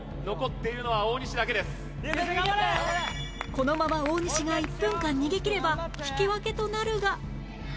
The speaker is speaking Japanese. このまま大西が１分間逃げきれば引き分けとなるが